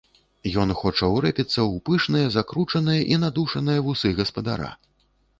Ён хоча ўрэпіцца ў пышныя закручаныя і надушаныя вусы гаспадара.